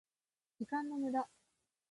時間の無駄